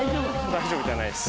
大丈夫じゃないです。